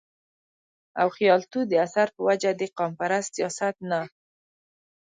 او خياالتو د اثر پۀ وجه د قامپرست سياست نه